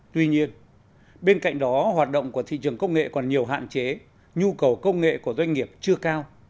tuy nhiên bên cạnh đó hoạt động của thị trường công nghệ còn nhiều hạn chế nhu cầu công nghệ của doanh nghiệp chưa cao